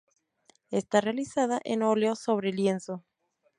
Está realizada en oleo sobre lienzo.